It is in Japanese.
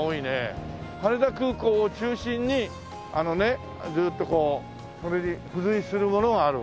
羽田空港を中心にあのねずっとこうそれに付随するものがある。